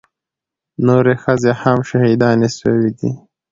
نورې ښځې هم شهيدانې سوې دي.